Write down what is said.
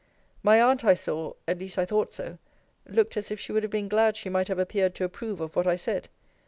My aunt, I saw (at least I thought so) looked as if she would have been glad she might have appeared to approve of what I said.